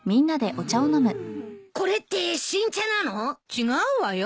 違うわよ。